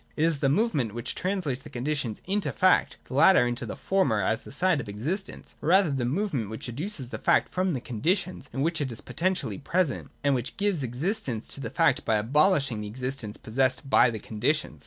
(/3) It is the movement which translates the conditions into fact, and the latter into the former as the side of existence, or rather the movement which educes the fact from the conditions in which it is poten tially present, and which gives existence to the fact by abolishing the existence possessed by the conditions.